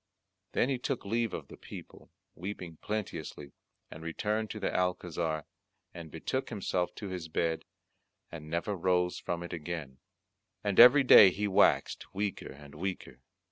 Then he took leave of the people, weeping plenteously, and returned to the Alcazar, and betook himself to his bed, and never rose from it again; and every day he waxed weaker and weaker.